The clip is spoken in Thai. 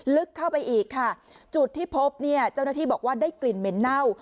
ลึกเข้าไปอีกค่ะจุดที่พบเนี่ยเจ้าหน้าที่บอกว่าได้กลิ่นเหม็นเน่า